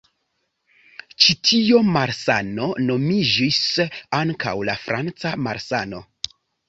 Ĉi tio malsano nomiĝis ankaŭ la "franca malsano".